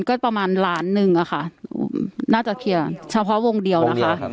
ก็ประมาณล้านหนึ่งอะค่ะน่าจะเคลียร์เฉพาะวงเดียวนะคะ